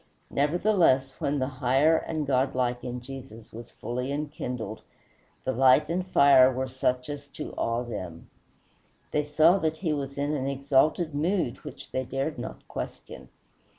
Nevertheless, when the higher and godlike in Jesus was fully enkindled, the light and fire were such as to awe them. They saw that he was in an exalted mood, which they dared not question.